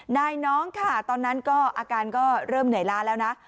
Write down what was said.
น้องค่ะตอนนั้นก็อาการก็เริ่มเหนื่อยล้าแล้วนะ